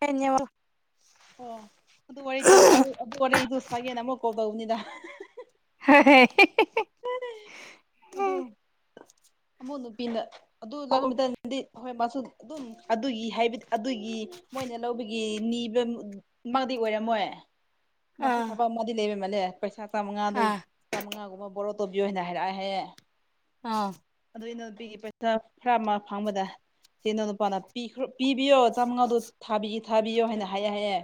hub ꯑꯣ ꯑꯗꯨ ꯋꯥꯔꯤ ꯇꯧ ꯑꯗꯨ ꯋꯥꯔꯤꯗꯨ ꯁꯒꯦꯅ ꯑꯃꯨꯛ ꯀꯕꯧꯅꯤꯗ ꯍ ꯍ ꯑꯗꯣ ꯑꯃꯛ ꯅꯨꯄꯤꯅ ꯑꯗꯨꯗꯗꯤ ꯍꯣꯏ ꯃꯥꯁꯨ ꯑꯗꯨꯝ ꯑꯗꯨꯒꯤ ꯍꯥꯏꯕꯗꯤ ꯑꯗꯨꯒꯤ ꯃꯣꯏꯅ ꯂꯧꯕꯒꯤ ꯅꯤꯕ ꯃꯥꯡꯗꯤ ꯑꯣꯏꯔꯝꯃꯣꯏ ꯃꯆꯨ ꯑꯥ ꯊꯕꯛ ꯑꯃꯗꯤ ꯂꯩꯕ ꯃꯜꯂꯦ ꯄꯩꯁꯥ ꯆꯥꯝꯃꯉꯥꯗꯨ ꯑꯥ ꯆꯥꯝꯃꯉꯥꯒꯨꯝꯕ ꯄꯕꯣꯔꯣ ꯇꯧꯕꯤꯌꯣ ꯍꯥꯏꯅ ꯍꯥꯏꯔꯛꯑꯍꯦ ꯑꯥ ꯑꯗꯨ ꯑꯩꯅ ꯅꯨꯄꯤꯒꯤ ꯄꯩꯁꯥ ꯈꯔ ꯑꯃ ꯐꯥꯡꯕꯗ ꯆꯦꯅ ꯅꯨꯄꯥꯅ ꯄꯤꯈ꯭ꯔ ꯄꯤꯕꯤꯌꯣ ꯆꯥꯝꯃꯉꯥꯗꯨ ꯊꯈꯤ ꯊꯥꯕꯤꯌꯣ ꯍꯥꯏꯅ ꯍꯥꯏꯌꯦꯦ ꯍꯥꯏꯌꯦꯦ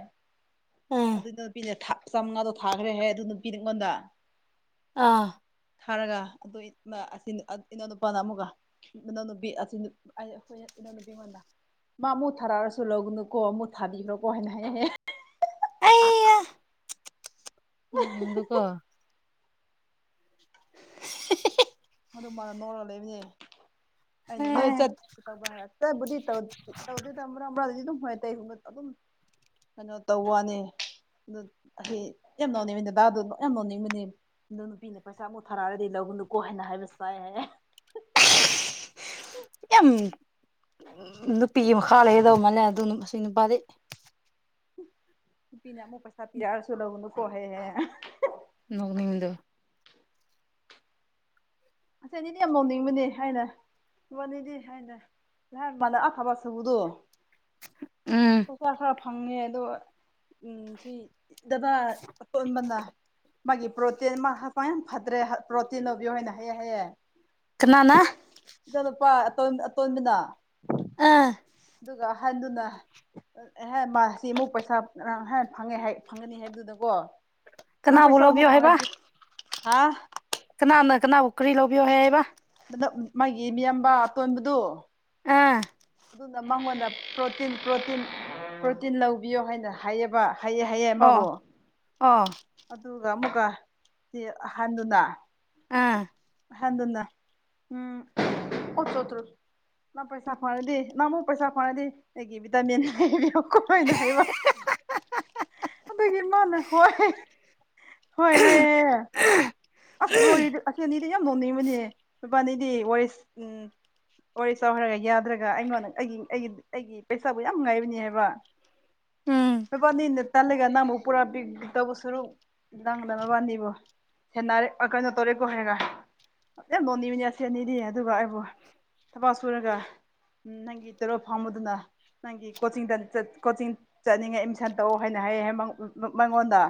ꯑꯗꯨ ꯅꯨꯄꯤꯅꯦ ꯆꯥꯝꯉꯥꯗꯣ ꯊꯥꯈ꯭ꯔꯦꯍ ꯑꯗꯨ ꯅꯨꯄꯤ ꯑꯩꯉꯣꯟꯗ ꯑꯥ ꯊꯥꯔꯒ ꯑꯗꯨ ꯏꯅꯥꯎ ꯅꯨꯨꯄꯥꯅ ꯑꯃꯨꯛꯀ ꯑꯣꯅ ꯍ ꯏꯅ ꯃ ꯃꯨꯊꯥꯥꯔꯁꯨꯂꯣꯒꯅꯨꯀꯣ ꯃꯨꯊꯥꯕꯤꯈ꯭ꯔꯣ ꯀꯣꯥꯏꯅꯍꯦ ꯑ ꯃꯅꯤꯗꯨꯀꯣ [inaudible] ꯑꯗꯨ ꯃꯥꯅ ꯅꯣꯛꯔꯒ ꯂꯩꯕꯅꯦ ꯑꯩꯅ ꯅꯣꯏ ꯆꯠ [inaudible] ꯇꯧꯕ꯭ꯔꯥ ꯍꯥꯏꯔꯒ ꯆꯠꯄꯨꯗꯤ ꯇꯧꯗꯦ ꯇꯧꯗꯦꯗ ꯃ꯭ꯔꯛ ꯃ꯭ꯔꯛꯇꯗꯤꯗꯨꯝ ꯍꯣꯏ [unintelligible] ꯑꯗꯨꯝ ꯀꯩꯅꯣ ꯇꯧꯕ꯭ꯋꯥꯅꯦ ꯑꯗꯨ ꯍꯩ ꯌꯥꯝ ꯅꯣꯅꯤꯡꯕꯅꯦ ꯗꯗꯥꯗꯣ ꯌꯥꯝ ꯅꯣꯅꯤꯡꯕꯅꯦ ꯑꯗꯣ ꯅꯨꯄꯤꯅ ꯄꯩꯁꯥ ꯑꯃꯨꯛ ꯊꯥꯔꯛꯑꯗꯤ ꯂꯧꯒꯅꯨꯀꯣ ꯍꯥꯏꯅ ꯍꯥꯏꯕ ꯁꯥꯏꯌꯦ ꯍꯥꯏꯌꯦ ꯌꯥꯝ ꯅꯨꯄꯤꯒꯤ ꯃꯈꯥ ꯂꯩꯒꯗꯧ ꯃꯥꯜꯂꯦ ꯑꯗꯨꯅ ꯃꯁꯤ ꯅꯨꯄꯥꯖꯤ ꯅꯨꯄꯤꯅ ꯑꯃꯨꯛ ꯄꯩꯁꯥ ꯄꯤꯔꯛꯑꯁꯨ ꯂꯧꯒꯅꯨꯀꯣ ꯍꯥꯏꯌꯦ ꯍꯥꯏꯌꯦ ꯅꯣꯛꯅꯤꯡꯗ ꯑꯁꯤ ꯑꯅꯤꯗꯤ ꯌꯥꯝ ꯅꯣꯡꯅꯤꯡꯕꯅꯦ ꯍꯥꯏꯅ ꯃꯕꯥꯅꯤꯗꯤ ꯍꯥꯏꯅ [unintelligible] ꯎꯝ ꯄꯩꯁꯥ ꯈꯔ ꯐꯪꯉꯦ ꯑꯗꯣ ꯁꯤ ꯗꯗꯥ ꯑꯇꯣꯟꯕꯅ ꯃꯥꯒꯤ ꯄ꯭ꯔꯣꯇꯤꯟ ꯃꯥ ꯍꯛꯆꯥꯡ ꯌꯥꯝ ꯐꯠꯇ꯭ꯔꯦ ꯄ꯭ꯔꯣꯇꯤꯟ ꯑꯣꯏꯕꯤꯣꯏꯅ ꯍꯩꯑꯦ ꯍꯩꯑꯦ ꯀꯅꯥꯅ ꯏ ꯂꯨꯄꯥꯇ ꯑꯇꯣꯟꯕꯤꯅ ꯑꯥ ꯑꯗꯨꯒ ꯍꯟꯗꯨꯅ ꯑꯦꯍꯦꯟ ꯃꯥ ꯁꯤ ꯑꯃꯨꯛ ꯄꯩꯁꯥ ꯐꯪꯉꯦ ꯐꯪꯒꯅꯤ ꯍꯥꯏꯕꯗꯨꯅꯀꯣ ꯀꯅꯥꯕꯨ ꯄꯩꯁꯥ ꯑꯃꯨꯛ ꯂꯧꯕꯤꯌꯣ ꯐꯗ ꯍꯥꯥ ꯀꯅꯥ ꯅ ꯀꯅꯥ ꯑꯣꯈꯔꯤ ꯂꯣꯧꯕ ꯍꯥꯏꯌꯦꯕ ꯗ ꯃꯥꯒꯤ ꯃꯤꯌꯥꯝꯕ ꯇꯣꯟꯕꯗꯨ ꯑꯥ ꯑꯗꯨꯅ ꯃꯉꯣꯟꯗ ꯄ꯭ꯔꯣꯇꯤꯟ ꯄ꯭ꯔꯣꯇꯤꯟ ꯄ꯭ꯔꯣꯇꯤꯟ ꯂꯧꯕꯤꯌꯣ ꯍꯥꯏꯅ ꯍꯥꯏꯌꯦꯕ ꯍꯥꯏꯌꯦ ꯍꯥꯏꯌꯦ ꯑꯃꯕꯨ ꯑꯥ ꯑꯗꯨꯒ ꯑꯃꯨꯛꯀ ꯆꯦ ꯑꯍꯟꯗꯨꯅ ꯑꯥ ꯑꯍꯟꯗꯨꯅ ꯎꯝ ꯅꯪ ꯄꯩꯁꯥ ꯄꯥꯏꯔꯗꯤ ꯅꯪꯃꯨꯛ ꯄꯩꯁꯥ ꯄꯥꯏꯔꯗꯤ ꯑꯩꯒꯤ ꯚꯤꯇꯥꯃꯤꯟ ꯂꯩꯕꯤꯌꯨ ꯀꯨꯞꯄꯩꯅꯦ ꯍꯥꯏꯕ ꯑꯗꯨꯒꯤ ꯃꯥꯅ ꯍꯣꯏ ꯍꯣꯏ ꯍꯥꯏꯌꯦ ꯑꯁ ꯂꯣꯏꯔꯦꯗ ꯑꯁꯤ ꯑꯅꯤꯗꯤ ꯌꯥꯝ ꯅꯣꯡꯅꯤꯡꯕꯅꯦ ꯃꯕꯥꯅꯤꯗꯤ ꯋꯥꯔꯤꯁ ꯎꯝ ꯋꯥꯔꯤ ꯁꯥꯎ ꯍꯥꯏꯔ ꯌꯥꯗ꯭ꯔꯒ ꯑꯩꯉꯣꯟꯗ ꯑꯩꯒꯤ ꯑꯩꯒꯤ ꯑꯩꯒꯤ ꯄꯩꯁꯥꯕꯨ ꯌꯥꯝ ꯉꯥꯏꯕꯅꯦ ꯍꯥꯏꯕ ꯎꯝ ꯅꯕꯥꯅꯤꯅ ꯇꯜꯂꯒ ꯅꯪꯃꯨꯛ ꯄꯨꯔꯥ ꯄꯤꯛ ꯇꯧꯕ ꯁꯔꯨꯛ ꯅꯪꯅ ꯅꯕꯥꯅꯤꯕꯨ ꯍꯦꯟꯅꯥꯔꯦ ꯑ ꯀꯩꯅꯣ ꯇꯧꯔꯦꯀꯣ ꯍꯥꯏꯔ ꯌꯥꯝ ꯅꯣꯅꯤꯡꯕꯅꯦ ꯑꯁꯤ ꯑꯅꯤꯗꯤ ꯑꯗꯨꯒ ꯑꯩꯕꯨ ꯊꯕꯛ ꯁꯨꯔꯒ ꯎꯝ ꯅꯪꯒꯤ ꯇꯔꯣꯞ ꯐꯪꯕꯗꯨꯅ ꯅꯪꯒꯤ ꯀꯣꯆꯤꯡꯗ ꯆꯠ ꯀꯣꯆꯤꯡ ꯆꯠꯅꯤꯡꯉꯦ ꯑꯦꯗꯃꯤꯁꯟ ꯇꯧꯌꯣ ꯍꯥꯏꯅ ꯍꯥꯏꯌꯦ ꯃꯪ-ꯑ- ꯑ-ꯃꯪꯉꯣꯟꯗ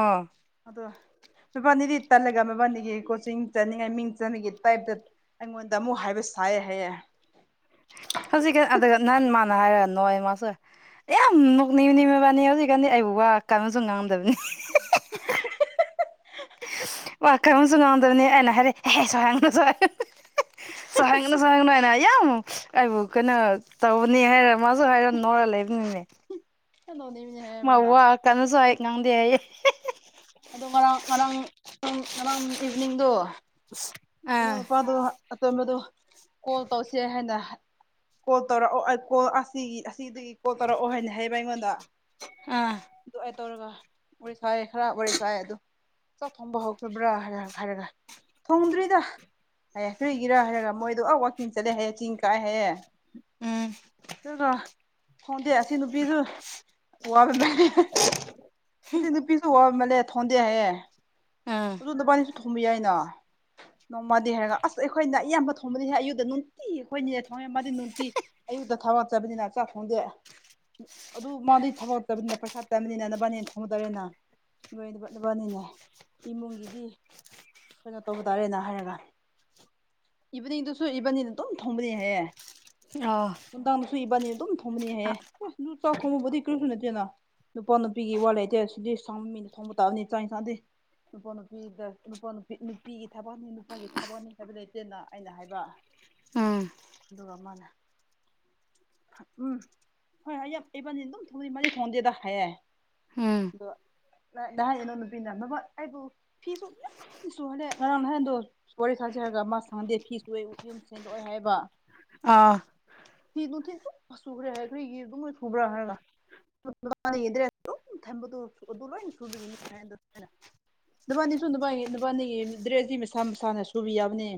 ꯑꯥ ꯑꯗꯣ ꯅꯕꯥꯅꯤꯗꯤ ꯇꯜꯂꯒ ꯃꯕꯥꯅꯤꯒꯤ ꯀꯣꯆꯤꯡ ꯆꯠꯅꯤꯡꯉꯥꯏ ꯃꯤꯡ ꯆꯟꯕꯒꯤ ꯇꯥꯏꯞꯇ ꯑꯩꯉꯣꯟꯗ ꯑꯃꯨꯛ ꯍꯥꯏꯕ ꯁꯥꯏꯌꯦ ꯍꯥꯏꯌꯦ ꯍꯧꯖꯤꯛꯀ ꯑꯗꯨꯒ ꯅꯍꯥꯟ ꯃꯥꯅ ꯍꯥꯏꯔꯛꯑ ꯅꯣꯛꯑꯦ ꯃꯥꯁꯨ ꯑꯦꯌꯥꯝ ꯅꯣꯛꯅꯤꯡꯏꯅꯦ ꯃꯕꯥꯅꯤ ꯍꯧꯖꯤꯛꯀꯥꯟꯗꯤ ꯑꯩꯕꯨ ꯋꯥ ꯀꯟꯅꯁꯨ ꯉꯥꯡꯗꯕꯅꯤ ꯍꯥ ꯍꯥ ꯍꯥ ꯍꯥ ꯋꯥ ꯀꯟꯅꯁꯨ ꯉꯥꯡꯗꯕꯅꯦ ꯑꯩꯅ ꯍꯥꯏꯔꯦ ꯍꯦ ꯍꯦꯁꯨ ꯍꯥꯏꯔꯦ ꯁꯥꯎꯍꯟꯒꯅꯨ ꯁꯥꯎꯍꯟꯒꯅꯨ ꯍꯥꯏꯅ ꯌꯥꯝ ꯑꯩꯕꯨ ꯀꯩꯅꯣ ꯇꯧꯕꯅꯤ ꯍꯥꯏꯔꯣ ꯃꯥꯁꯨ ꯍꯥꯏꯔꯣ ꯅꯣꯏꯔ ꯂꯩꯕꯅꯤꯅꯦ ꯌꯥꯝ ꯅꯣꯅꯤꯡꯕꯅꯦ ꯍꯥꯏꯌꯦ ꯃꯥ ꯃꯥꯅ ꯋꯥ ꯀꯟꯅꯁꯨ ꯍꯥꯏ ꯉꯥꯡꯗꯦ ꯍꯥꯏꯌꯦ ꯑꯗꯣ ꯉꯔꯥꯡ ꯉꯔꯥꯡꯥꯡ ꯉꯔꯥꯡ ꯏꯚꯤꯅꯤꯡꯗꯣ ꯑꯥ ꯏꯅꯥꯎꯅꯨꯄꯥꯗꯨ ꯑꯇꯣꯟꯕꯗꯨ ꯀꯣꯜ ꯇꯧꯁꯦ ꯍꯥꯏꯅ ꯀꯣꯜ ꯇꯧꯔꯛꯑꯣ ꯀꯣꯜ ꯑꯁꯤꯒꯤ ꯑꯁꯤꯗꯒꯤ ꯀꯣꯜ ꯇꯧꯔꯛꯑꯣ ꯍꯥꯏꯅ ꯍꯥꯏꯌꯦꯕ ꯑꯩꯉꯣꯟꯗ ꯑꯥ ꯑꯗꯨ ꯑꯩ ꯇꯧꯔꯒ ꯋꯥꯔꯤ ꯁꯥꯏ ꯈꯔ ꯋꯥꯔꯤ ꯁꯥꯏ ꯑꯗꯨ ꯆ ꯊꯣꯡꯕ ꯍꯧꯈꯤꯕ꯭ꯔꯥ ꯍꯥꯏꯔ ꯍꯥꯏꯔꯒ ꯊꯣꯡꯗ꯭ꯔꯤ ꯍꯥꯏꯌꯦ ꯀꯔꯤꯒꯤꯔ ꯍꯥꯏꯔꯒ ꯃꯣꯏꯗꯣ ꯑ ꯋꯥꯛꯀꯤꯡ ꯆꯠꯂꯦ ꯍꯥꯏꯌꯦꯡ ꯆꯤꯡ ꯀꯥꯏꯑꯦ ꯍꯥꯏꯌꯦꯦ ꯎꯝ ꯆ ꯍꯣꯗ ꯑꯦꯁꯤ ꯅꯨꯕꯤꯁꯨ ꯋꯥꯕ ꯃ ꯉꯁ ꯅꯨꯄꯤꯁꯨ ꯋꯥꯔꯝꯃꯜꯂꯦ ꯊꯣꯟꯗꯦ ꯍꯥꯏꯌꯦꯦ ꯎꯝ ꯑꯗꯨ ꯅꯨꯄꯥꯅꯤꯁꯨ ꯊꯣꯕ ꯌꯥꯏꯅ ꯅꯣꯡꯃꯗꯤ ꯍꯥꯏꯔꯒ ꯑꯁ ꯑꯩꯈꯣꯏꯅ ꯑꯌꯥꯝꯕ ꯊꯣꯡꯕꯅꯤꯍꯦ ꯑꯌꯨꯛꯗ ꯅꯨꯡꯇꯤ ꯑꯩꯈꯣꯏꯅꯤꯅꯦ ꯊꯣꯡꯉꯦ ꯃꯥꯗꯤ ꯅꯨꯡꯇꯤ ꯑꯌꯨꯛꯇ ꯊꯕꯛ ꯆꯠꯄꯅꯤꯅ ꯆꯥꯛ ꯊꯣꯡꯗꯦ ꯑꯗꯨ ꯃꯥꯗꯤ ꯊꯕꯛ ꯆꯠꯄꯅꯤꯅ ꯄꯩꯁꯥ ꯇꯥꯟꯕꯅꯤꯅ ꯅꯕꯥꯅꯤꯅ ꯊꯣꯡꯕ ꯇꯥꯔꯦꯅꯥ ꯂꯣꯏꯗꯕ ꯅꯕꯥꯟꯅꯤꯅ ꯏꯃꯨꯡꯒꯤꯗꯤ ꯑꯩꯈꯣꯏꯅ ꯇꯧꯕ ꯇꯥꯔꯦꯅ ꯍꯥꯏꯔꯒ ꯏꯚꯅꯤꯡꯗꯨꯁꯨ ꯏꯕꯥꯟꯅꯤꯅ ꯗꯨꯝ ꯊꯣꯡꯕꯅꯤ ꯍꯥꯏꯌꯦ ꯑꯥꯎ ꯅꯨꯡꯗꯥꯡꯗꯁꯨ ꯏꯕꯥꯅꯤꯅ ꯑꯗꯨꯝ ꯊꯣꯡꯕꯅꯤ ꯍꯥꯏꯌꯦ ꯑꯦ ꯑꯗꯨ ꯆꯥꯛ ꯊꯣꯡꯕꯕꯨꯗꯤ ꯀ꯭ꯔꯤꯁꯨ ꯅꯠꯇꯦꯅ ꯅꯨꯄꯥ ꯅꯨꯄꯤꯒꯤ ꯋꯥ ꯂꯩꯇꯦ ꯁꯤꯗꯤ ꯁꯪꯕ ꯃꯤꯅ ꯊꯣꯡꯕ ꯇꯥꯕꯅꯤ ꯆꯥꯛ ꯏꯟꯁꯥꯡꯗꯤ ꯅꯨꯄꯥ ꯅꯨꯄꯤꯗ ꯅꯨꯄꯥ ꯅꯨꯄꯤ ꯅꯨꯄꯤꯒꯤ ꯊꯕꯛꯅꯤ ꯅꯨꯄꯥꯒꯤ ꯊꯕꯛꯅꯤ ꯍꯥꯏꯕ ꯂꯩꯇꯦꯅ ꯑꯩꯅ ꯍꯥꯏꯕ ꯎꯝ ꯑꯗꯨꯒ ꯑꯃꯅ ꯎꯝ ꯍꯣꯏ ꯍ ꯌꯥꯝ ꯑꯩ ꯄꯅꯤ ꯑꯗꯨꯝ ꯊꯣꯡꯗꯤ ꯃꯅꯤ ꯊꯣꯡꯗꯦꯗ ꯍꯥꯏꯌꯦꯦ ꯎꯝ ꯑꯗꯣ ꯉꯅꯣ ꯅꯨꯄꯤꯅ ꯑꯩꯕꯨ ꯐꯤꯁꯨ ꯏꯁꯨ ꯍꯂꯦꯛ ꯉꯔꯥꯡ ꯅꯍꯥꯟꯗꯣ ꯋꯥꯔꯤ ꯁꯥꯖꯔꯒ ꯃꯥ ꯁꯪꯗꯦ ꯐꯤ ꯁ ꯌꯨꯝ ꯁꯦꯡꯗꯣꯛꯑꯣꯦ ꯍꯥꯏꯕ ꯑꯥ ꯐꯤ ꯅꯨꯡꯊꯤꯠ ꯑꯗꯨꯝ ꯆꯆꯨꯈ꯭ꯔꯦ ꯍꯥꯏ ꯑꯩꯈꯣꯏꯒꯤ ꯑꯗꯨꯝ ꯂ ꯊꯨꯕ꯭ꯔꯥ ꯍꯥꯏꯔꯅ ꯃ ꯌꯦꯗ꯭ꯔꯦ ꯊꯝꯕꯗꯨ ꯑꯗꯨ ꯂꯣꯏꯅ ꯁꯨꯕꯒꯤꯅꯤꯅ ꯅꯨꯄꯥꯅꯤꯁꯨ ꯅꯨꯄꯥꯒꯤ ꯅꯨꯄꯥꯅꯤꯒꯤ ꯗ꯭ꯔꯦꯁꯁꯤ ꯃꯁꯥ ꯃꯁꯥꯅ ꯁꯨꯕꯤ ꯌꯥꯕꯅꯦ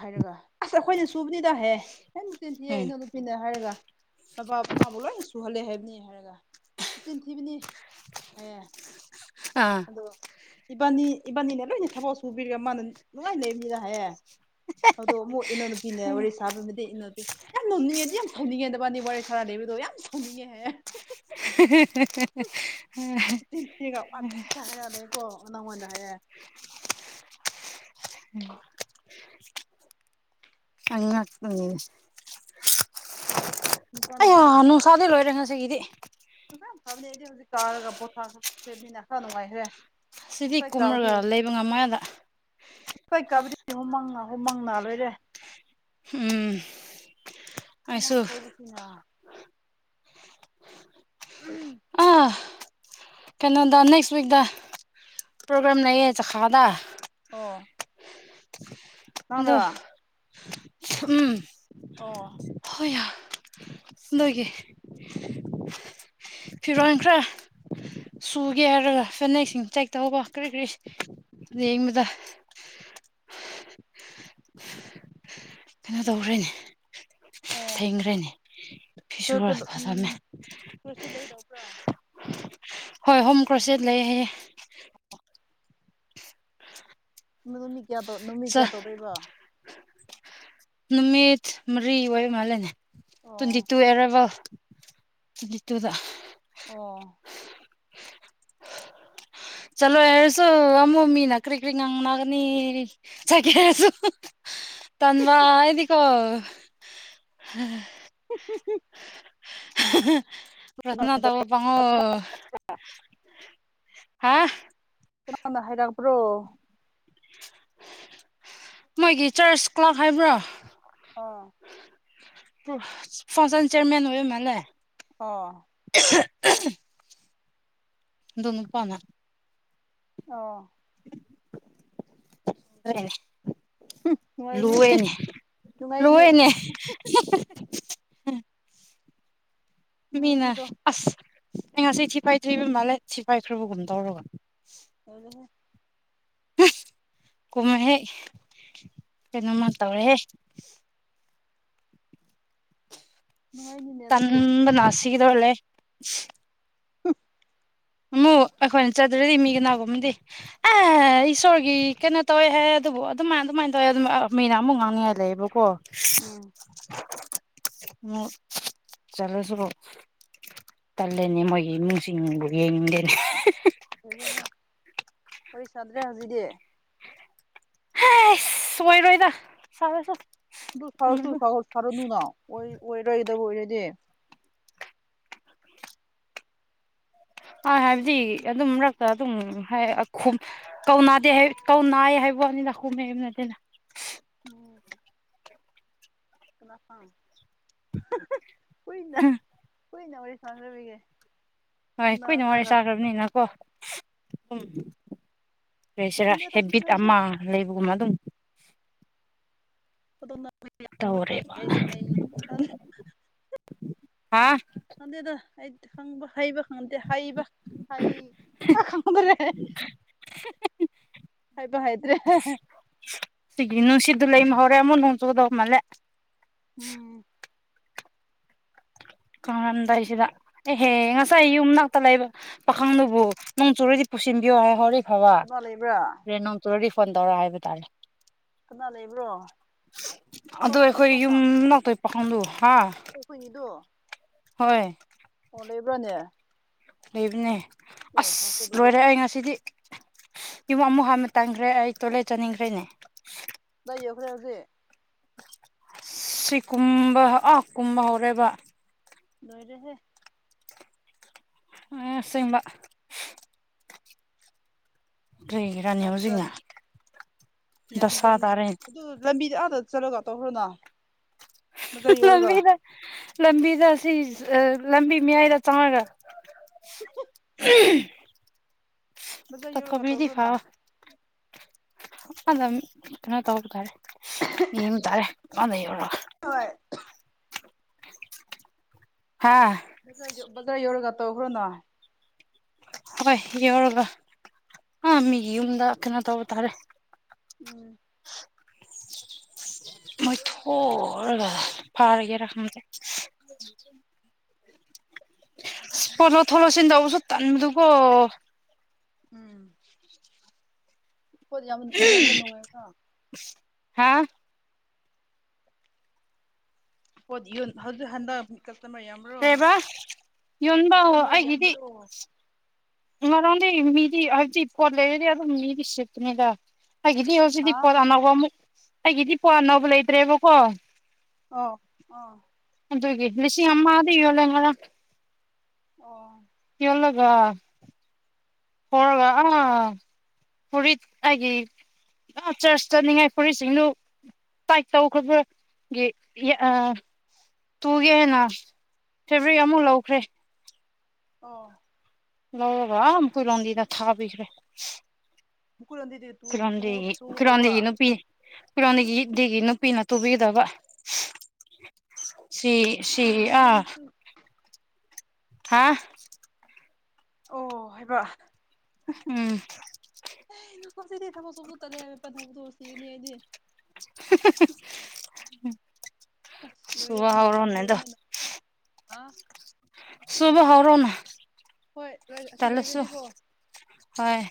ꯍꯥꯏꯔꯒ ꯑꯁ ꯑꯩꯈꯣꯏꯅ ꯁꯨꯕꯅꯤꯗꯍꯦ ꯍꯦ ꯅꯨꯡꯆꯦꯟ ꯎꯝ ꯊꯑꯩꯅ ꯃꯤꯅ ꯍꯥꯏꯔꯒ ꯃꯄꯥ ꯃꯃꯥꯕꯨ ꯂꯣꯏꯅ ꯁꯨꯍꯜꯂꯦ ꯍꯥꯏꯕꯅꯤ ꯍꯥꯏꯔꯒ ꯆꯤꯟ ꯊꯤꯕꯅꯤ ꯍꯥꯏꯌꯦ ꯑꯥ ꯑ ꯏꯕꯥꯅꯤ ꯏꯕꯥꯅꯤꯅ ꯂꯣꯏꯅ ꯊꯕꯛ ꯁꯨꯕꯤꯔꯒꯥ ꯃꯥꯅ ꯅꯨꯡꯉꯥꯏ ꯂꯩ ꯃꯤꯅꯍꯦ ꯑꯗꯣ ꯑꯃꯨꯛ ꯏꯎꯅꯨꯄꯤꯅꯦ ꯋꯥꯔꯤ ꯁꯥꯕꯕꯨꯗꯤ ꯏꯅꯨꯄꯤ ꯌꯥꯝ ꯅꯧꯅꯤꯡꯉꯦꯗꯤ ꯌꯥꯝ ꯁꯥꯎꯅꯤꯡꯉꯦ ꯅꯕꯥꯅꯤ ꯋꯥꯔꯦ ꯁꯔꯥꯗꯦꯕꯤꯗꯣ ꯌꯥꯝ ꯁꯥꯎꯅꯤꯡꯉꯦꯍꯦ ꯎ ꯆꯤꯟꯤꯒ ꯑꯇ ꯍꯥꯏꯔꯛꯑꯂꯦꯀꯣ ꯅꯪꯣꯟꯗ ꯍꯥꯏꯔꯦ ꯑ ꯑꯦ ꯅꯨꯄꯥ ꯅꯨꯕꯤ ꯅꯨꯡꯁꯥꯗꯤꯩ ꯂꯣꯏꯔꯦ ꯉꯁꯤꯒꯤꯗꯤ ꯐꯖꯥ ꯊꯥꯕꯅꯦ ꯑꯩꯗꯤ ꯍꯧꯖꯤꯛ ꯀꯥꯔꯒ ꯄꯣꯊꯥ ꯈꯈ꯭ꯔꯕꯅꯤꯅ ꯈꯔ ꯅꯨꯡꯉꯥꯏꯈ꯭ꯔꯦ ꯁꯤꯗꯤ ꯐ ꯀꯥꯕꯨꯗꯤ ꯀꯨꯝꯔꯒ ꯂꯩꯕ ꯉꯝꯃꯦꯗ ꯍ ꯀꯥꯕꯨꯗꯤ ꯍꯨꯃꯪ ꯍꯨꯃꯪꯅ ꯂꯣꯏꯔꯦ ꯎꯝ ꯑꯩꯁꯨ ꯃꯥꯡꯁꯨ ꯁꯤꯅ ꯎꯝ ꯑꯥ ꯀꯩꯅꯣꯗ ꯅꯦꯛꯁ ꯋꯤꯛꯛꯇ ꯄ꯭ꯔꯣꯒ꯭ꯔꯥꯝ ꯂꯩꯌꯦ ꯆꯈꯥꯗ ꯑꯣ ꯑꯗꯣ ꯅꯪ꯭ꯔ ꯑ ꯍꯣꯏꯏ ꯅꯒꯤꯦ ꯐꯤꯔꯣꯟ ꯈ꯭ꯔꯥ ꯁꯨꯒꯦ ꯍꯥꯏꯔꯒ ꯐꯅꯦꯛꯁꯤꯡ ꯆꯦꯛ ꯇꯧꯕ ꯀꯔꯤ ꯀꯔꯤ ꯌꯦꯡꯕꯗ [inaudible] ꯀꯩꯅꯣ ꯇꯧꯈ꯭ꯔꯦꯅꯦ ꯎꯝ ꯊꯦꯡꯈ꯭ꯔꯦꯅꯦ ꯐꯤꯁꯨꯨꯔ ꯐꯖꯝꯃꯦ [unintelligible] ꯂꯩꯒꯗꯧꯕꯔꯥ ꯍꯣꯏ ꯍꯣꯝ ꯀ꯭ꯔꯣꯁꯦꯠ ꯂꯩ ꯍꯥꯏꯌꯦ ꯃꯤ ꯀꯌꯥ ꯇꯨ ꯅꯨꯃꯤ ꯆ ꯀꯌꯥ ꯇꯧꯗꯣꯏꯕ ꯅꯨꯃꯤꯠ ꯃꯔꯤ ꯑꯣꯏꯕ ꯃꯥꯜꯂꯦꯅꯦ ꯇ꯭ꯋꯦꯟꯇꯤ ꯑꯣ ꯇꯨ ꯑꯦꯔꯥꯏꯕꯜ ꯁꯤꯠꯇꯗ ꯑꯣ ꯆꯂꯣ ꯌꯦꯁꯨꯣ ꯑꯃꯣ ꯃꯤꯃꯤ ꯅꯀꯔꯤ ꯏ ꯀꯔꯤ ꯉꯪ ꯅꯒꯅꯤ ꯆꯒꯦꯁꯨ ꯇꯟꯋꯥ ꯏꯗꯤꯀꯣ [inaudible] [unintelligible] ꯁꯅ ꯇꯕꯨ ꯄꯉ ꯍꯥ ꯀꯅꯥꯅ ꯍꯥꯏꯔꯛꯄ꯭ꯔꯣ ꯃꯣꯏꯒꯤ ꯆꯔꯆ ꯀ꯭ꯂꯥꯛ ꯍꯥꯏꯕ꯭ꯔꯣ ꯑꯥ ꯐꯥꯎꯁꯟ ꯆꯦꯌꯔꯃꯦꯟ ꯑꯣꯏꯕ ꯃꯥꯜꯂꯦ ꯑꯣ [unintelligible] ꯑꯗꯨ ꯅꯨꯄꯥꯅ ꯑꯣ [unintelligible] ꯅꯨꯡꯉꯥꯏꯅꯤ ꯂꯨꯋꯦꯅꯦ ꯅꯨꯡꯉꯥꯏꯒꯅꯤ ꯂꯨꯋꯦꯅꯦ ꯃꯤꯅ ꯅꯨꯡꯉꯥꯏꯒꯅꯤꯗꯣ ꯑꯁ ꯑꯩ ꯉꯁꯤ ꯊꯤ ꯐꯥꯏꯗ꯭ꯔꯤꯕ ꯃꯥꯜꯂꯦ ꯊꯤ ꯐꯥꯏꯈ꯭ꯔꯕꯒꯨꯝ ꯇꯧꯔꯒ [unintelligible] ꯀꯨꯝꯃꯦꯍꯦ ꯀꯩꯅꯣꯃ ꯇꯧꯔꯦꯍꯦ ꯅꯨꯡꯉꯥꯏꯅꯤꯅꯦ ꯑꯗꯨꯗꯤ ꯇꯝꯕꯅ ꯁꯤꯒꯗꯧꯂꯦ ꯍꯨꯍ ꯑꯃꯨꯛ ꯑꯩꯈꯣꯏꯅ ꯆꯠꯇ꯭ꯔꯗꯤ ꯃꯤ ꯀꯅꯥꯒꯨꯝꯕꯗꯤ ꯑꯥ ꯏꯁꯣꯔꯒꯤ ꯀꯩꯅꯣ ꯇꯧꯋꯦ ꯍꯥꯏꯑꯦ ꯑꯗꯨꯕꯨ ꯑꯗꯨꯃꯥꯏ ꯑꯗꯨꯃꯥꯏꯅ ꯇꯧꯋꯦ ꯑꯗꯨꯝ ꯃꯤꯅ ꯑꯃꯨꯛ ꯉꯥꯡꯅꯤꯡꯉꯥꯏ ꯂꯩꯌꯦꯕꯀꯣ ꯎꯝ [inaudible] ꯑꯃꯨꯛ ꯆꯂꯁꯨ ꯇꯜꯂꯅꯦ ꯃꯣꯏꯒꯤ ꯏꯃꯨꯡꯁꯤꯡꯕꯨ ꯌꯦꯡꯅꯤꯡꯗꯦꯅꯤ ꯂꯣꯏꯔꯦꯍꯦ ꯋꯥꯔꯤ ꯁꯥꯗ꯭ꯔꯦ ꯍꯧꯖꯤꯗꯤ ꯍꯥꯏꯁ ꯑꯣꯏꯔꯣꯏꯗ [unintelligible] ꯑꯗꯨ ꯈꯨꯝꯃꯁꯨ ꯁꯥꯔꯁꯨ ꯁꯥꯔꯅꯨꯅ ꯑꯣꯏꯔꯣꯏꯗꯕ ꯑꯣꯏꯔꯗꯤ ꯑ ꯍꯥꯏꯕꯗꯤ ꯑꯗꯨꯝ ꯃꯔꯛꯇ ꯑꯗꯨꯝ ꯍꯥꯏ ꯈꯨꯝ ꯀꯧꯅꯥꯗꯦ ꯍꯥꯏ ꯀꯧꯅꯥꯏ ꯍꯥꯏꯕ ꯋꯥꯅꯤꯗ ꯈꯨꯝꯃꯦꯕ ꯅꯠꯇꯦꯗ [unintelligible] [unintelligible] ꯍꯨꯏꯅ ꯍꯨꯏꯅ ꯋꯥꯔꯤ ꯁꯥꯟꯅꯗꯕꯒꯤ ꯍꯣꯏ ꯀꯨꯏꯅ ꯋꯥꯔꯤ ꯆꯥꯈ꯭ꯔꯕꯅꯤꯅꯀꯣ ꯎꯝ ꯀꯩꯁꯤꯔ ꯈꯪꯗꯦꯗ ꯍꯦꯕꯤꯠ ꯅꯣꯏꯁꯨ ꯑꯃ ꯂꯩꯕꯒꯨꯝꯅ ꯑꯗꯨꯝ ꯇꯧꯔꯦꯕ [unintelligible] ꯍꯥ ꯈꯪꯗꯦꯗ ꯑꯩꯠ ꯈꯪꯕ ꯍꯩꯕ ꯈꯪꯗꯦ ꯍꯩꯕ ꯍꯩ ꯈꯪꯗꯔꯦ ꯍꯥꯏꯕ ꯍꯥꯏꯗ꯭ꯔꯦ ꯁꯤꯒꯤ ꯅꯨꯡꯁꯤꯠꯠꯇ ꯂꯩꯃ ꯍꯧꯔꯦ ꯑꯃꯨꯛ ꯍꯣꯡ ꯆꯨꯗꯧ ꯃꯥꯜꯂꯦ ꯎꯝ ꯀꯉꯝꯗꯥꯏꯁꯤꯗ ꯑꯦꯍꯦꯍꯦ ꯉꯁꯥꯏ ꯌꯨꯝꯅꯥꯛꯇ ꯂꯩꯕ ꯄꯥꯈꯪꯗꯨꯕꯨ ꯅꯪ ꯆꯨꯔꯗꯤ ꯄꯨꯁꯤꯟꯕꯤꯌꯣ ꯍꯥꯏ ꯍꯣꯔꯦ ꯐꯕ ꯀꯅꯥ ꯂꯩꯕ꯭ꯔꯥ ꯔꯦ ꯅꯣꯡꯇꯨꯔ ꯔꯤꯐꯣꯟ ꯇꯧꯔ ꯍꯥꯏꯕ ꯇꯥꯔꯦ ꯀꯅꯥ ꯂꯩꯕ꯭ꯔꯣ ꯑꯩꯈꯣꯏ ꯑꯗꯣ ꯈꯣꯏꯒꯤ ꯑꯩꯈꯣꯏ ꯅꯨꯄꯥ ꯌꯨꯝ ꯄꯀꯗꯨ ꯍꯥ ꯑꯩꯈꯣꯏꯅꯤꯗꯣ ꯍꯣꯏ ꯑꯣꯟ ꯂꯩꯕ꯭ꯔꯥꯅꯦ ꯂꯩꯕꯅꯦ ꯑꯦ ꯑꯁ ꯍꯥꯞꯄꯗꯨꯗꯤ ꯂꯣꯏꯔꯦ ꯑꯩ ꯉꯁꯤꯗꯤ ꯌꯨꯝ ꯑꯃꯨꯛ ꯍꯥꯟꯕ ꯇꯟꯈ꯭ꯔꯦ ꯑꯩ ꯇꯣꯏꯂꯦꯠ ꯆꯪꯅꯤꯡꯈ꯭ꯔꯦꯅꯦ ꯀꯗꯥꯥꯏ ꯌꯎꯈ꯭ꯔꯦ ꯍꯧꯖꯤꯛ ꯁꯤ ꯀꯨꯝꯕ ꯑ ꯀꯨꯝꯕ ꯍꯧꯔꯦꯕ ꯂꯣꯏꯔꯦꯍꯦ ꯑꯁꯦꯡꯕ ꯀꯩꯒꯤꯔꯅꯦ ꯍꯧꯖꯤꯛꯅ ꯌꯥꯕꯖꯥꯠꯅꯤ ꯗꯁꯥ ꯌꯥꯕꯖꯥꯠꯅꯤ ꯇꯥꯔꯦ ꯑꯗꯨ ꯂꯝꯕꯤꯗ ꯑꯥꯗ ꯆꯠꯂꯒ ꯇꯧꯈ꯭ꯔꯣꯅ ꯕꯖꯥꯔ ꯌꯧꯔꯒ ꯂꯝꯕꯤꯗ ꯂꯝꯕꯤꯗ ꯁꯤ ꯂꯝꯕꯤ ꯃꯌꯥꯏꯗ ꯆꯪꯉꯒ [unintelligible] ꯕꯖꯥꯔ ꯌꯧꯔꯒ ꯇꯧꯊꯣꯛꯄꯤꯔꯗꯤ ꯇꯧꯈ꯭ꯔꯣꯅ ꯀꯥꯟꯗ ꯀꯩꯅꯣ ꯇꯧꯕ ꯇꯥꯔꯦ ꯌꯦꯡꯕ ꯇꯥꯔꯦ ꯑꯥꯗ ꯌꯧꯔꯒ ꯍꯣꯏ ꯍꯥꯥ ꯭ꯔ ꯌ ꯕꯖ꯭ꯔꯥ ꯌꯧꯔꯒ ꯇ ꯑꯣꯈꯔꯣꯅ ꯍꯣꯏ ꯌꯧꯔꯒ ꯑ ꯃꯤꯒꯤ ꯌꯨꯝꯗ ꯀꯩꯅꯣ ꯇꯧꯕ ꯇꯥꯔꯦ ꯎꯝ ꯃꯣꯏ ꯊ ꯐꯥꯔꯒꯦ ꯔꯝꯗ ꯄꯣꯂꯣ ꯊꯣꯂꯣꯁꯤꯟ ꯇꯧꯕꯁꯨ ꯇꯟꯕꯗꯨꯀꯣ ꯎꯝ ꯄꯣꯠ ꯌꯥꯝ ꯌꯣꯟꯕ ꯅꯨꯡꯉꯥꯏꯀ꯭ꯔꯣ ꯍꯥꯥ ꯍꯣꯗꯤ ꯌꯟ ꯍꯧꯖꯤꯛ ꯍꯟꯗꯛ ꯀꯁꯇꯃꯔ ꯌꯥꯝ ꯗꯦꯕ ꯌꯣꯟꯣꯟꯕ ꯑꯩꯒꯤꯗꯤ ꯌꯥꯝꯕ꯭ꯔꯣ ꯃꯗꯤ ꯃꯤꯗꯤ ꯍꯥꯏꯗꯤ ꯀꯣꯂꯦꯖꯗꯤ ꯑꯗꯨ ꯃꯤꯗꯤꯁꯤꯄꯅꯤꯗ ꯍꯥꯏꯗꯤ ꯁꯤꯗꯤ ꯍꯥ ꯄꯣꯠ ꯑꯅꯧꯕ ꯑꯃꯛ ꯑꯩꯒꯤꯗꯤ ꯄꯣꯠ ꯑꯅꯧꯕ ꯂꯩꯇ꯭ꯔꯦꯕꯀꯣ ꯑꯣ ꯑꯥ ꯑꯗꯨꯒꯤ ꯂꯤꯁꯤꯡ ꯑꯃꯗ ꯌꯣ ꯂꯩꯦ ꯈ ꯑꯣ ꯌꯂꯒ ꯍꯣꯒ ꯑ ꯐꯨꯔꯤꯠ ꯑꯩꯒꯤ ꯆꯔꯆ ꯆꯠꯅꯤꯡꯉꯥꯏ ꯐꯨꯔꯤꯠ ꯁꯤꯡꯅꯨ ꯄꯥꯛꯆꯧꯈꯕꯒꯤ ꯑ ꯇꯨꯒꯦ ꯍꯦꯟꯅ ꯐꯦꯕ꯭ꯔꯤꯛ ꯑꯃꯨꯛ ꯂꯧꯈ꯭ꯔꯦ ꯑꯣ ꯂꯧꯕꯥ ꯑꯃꯨ ꯀꯨꯔꯣꯟꯗꯤꯗ ꯊꯥꯕꯤꯈ꯭ꯔꯦ ꯍꯨꯀꯔꯣꯗꯤ ꯀꯣꯟꯗ ꯀꯥꯎꯗ ꯅꯨꯄꯤ ꯎꯄꯤꯔꯣꯟꯗꯒꯤꯗꯒꯤ ꯅꯨꯄꯤꯅ ꯇꯨꯕꯤꯒꯗꯕ ꯁꯤ ꯁꯤꯦ ꯑ ꯃꯃꯤꯡꯁꯨ ꯊꯥ ꯑꯣ ꯍꯥꯏꯕ ꯎꯝ ꯑꯦ ꯃꯐꯝꯁꯤꯗꯤ ꯊꯕꯛ ꯁꯨꯕꯁꯨ ꯇꯠꯂꯦ [unintelligible] ꯁꯤꯒꯅꯤ ꯑꯩꯗꯤ [unintelligible] ꯑꯁ ꯂꯣꯏꯔꯦ ꯁꯨꯕ ꯑꯩꯅ ꯍꯧꯔꯣꯅꯦ ꯑꯗꯣ ꯍꯥꯝꯗꯣꯛꯑꯃꯦꯅ ꯑ ꯁꯨꯕ ꯍꯧꯔꯣꯅꯦ ꯍꯣꯏ ꯑꯁꯤ ꯂꯣꯏꯈ꯭ꯔꯗꯤꯀꯣ ꯍꯣꯏ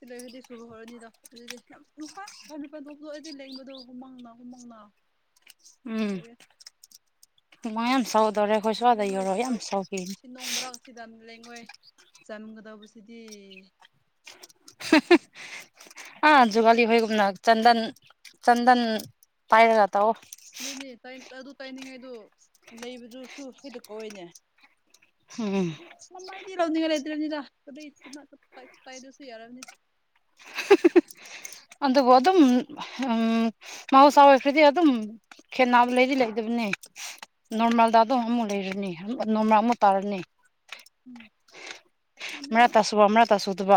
ꯁꯤꯂꯩꯔꯗꯤ ꯁꯨꯕ ꯍꯧꯔꯅꯤꯗꯣ ꯑꯗꯨꯗꯤ ꯌꯥꯝ ꯐꯥꯏ ꯁꯥꯏ ꯃꯄꯥꯟ ꯊꯣꯛꯄꯗꯣ ꯑꯩꯗꯤ ꯂꯦꯡꯕꯗꯣ ꯍꯨꯃꯥꯥꯡꯅ ꯍꯨꯃꯥꯡꯅ [inaudible] ꯎꯝ ꯂꯣꯏꯔꯦ ꯍꯨꯃꯥꯡ ꯌꯥꯝ ꯁꯧꯗꯣꯔꯦ ꯂꯩꯉꯣꯏ ꯁ ꯁꯤ ꯅꯣꯡ ꯃꯔꯔꯥꯛꯁꯤꯗ ꯂꯩꯉꯣꯏ ꯆꯟꯒꯗꯕꯁꯤꯗꯤ ꯍ ꯑꯥ ꯖꯨꯒꯥꯂꯤ ꯍꯣꯏꯒꯨꯝꯅ ꯆꯟꯗꯟ ꯆꯟꯗꯟ ꯄꯥꯏꯔꯒ ꯇꯥꯛꯑꯣ ꯑꯗꯨꯅꯤ ꯑꯗꯨ ꯇꯥꯏꯅꯤꯡꯉꯥꯏꯗꯨ ꯂꯩꯕꯗꯨꯁꯨ ꯍꯦꯗ ꯀꯧꯏꯅꯦ ꯎꯝ ꯃꯃꯥ ꯏꯗꯤꯔ ꯂꯧꯗꯒꯔ ꯏꯗꯔꯅꯤꯗ ꯀ ꯏ ꯇꯥꯏꯗꯁꯨ ꯌꯥꯔꯅꯤ ꯑꯗꯨꯗꯕꯨ ꯑꯗꯨ ꯑꯗꯨꯝ ꯎꯝ ꯃꯥꯎꯁꯋꯥ ꯐꯗꯤ ꯑꯗꯨ ꯑꯗꯨꯝ ꯈꯦꯠꯕꯨ ꯂꯩꯗꯤ ꯂꯩꯇꯕꯅꯦ ꯅꯣꯔꯃꯥꯜ ꯗꯥꯗꯣ ꯑꯃꯨꯛ ꯂꯩꯔꯅꯤ ꯅꯣꯔꯃꯥꯜ ꯑꯃꯨꯛ ꯇꯥꯔꯅꯤ ꯎꯝ ꯉꯝꯗꯦꯗ ꯃ ꯇꯁꯨꯕ ꯑꯃꯥ ꯇꯁꯨꯨꯗꯕ